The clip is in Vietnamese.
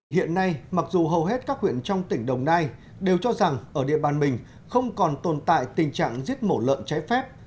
hiện nay mặc dù hầu hết các huyện trong tỉnh đồng nai đều cho rằng ở địa bàn mình không còn tồn tại tình trạng giết mổ lợn trái phép